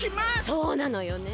そうなのよね。